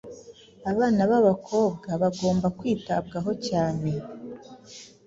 Abana b’abakobwa bagomba kwitabwaho cyane